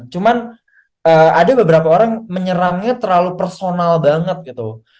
cuman ada beberapa orang menyerangnya terlalu personal banget gitu